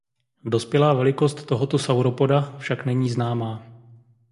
Dospělá velikost tohoto sauropoda však není známá.